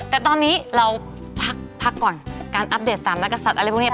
แต่ตอนนี้เราพักก่อนการอัปเดต๓นักกษัตริย์อะไรพวกนี้